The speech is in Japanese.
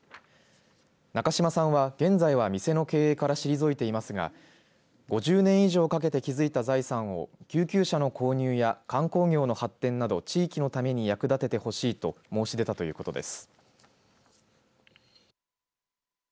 中嶋さんは現在は店の経営から退いていますが５０年以上かけて築いた財産を救急車の購入や観光業の発展など地域のために役立ててほしいと申し出たということです。